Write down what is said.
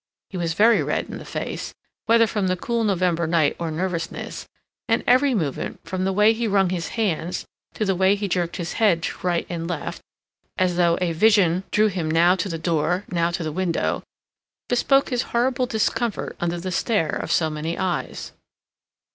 He was very red in the face, whether from the cool November night or nervousness, and every movement, from the way he wrung his hands to the way he jerked his head to right and left, as though a vision drew him now to the door, now to the window, bespoke his horrible discomfort under the stare of so many eyes.